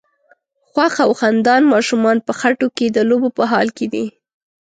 خوښ او خندان ماشومان په خټو کې د لوبو په حال کې دي.